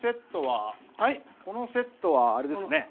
このセットは、あれですね。